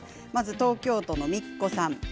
東京都の方です。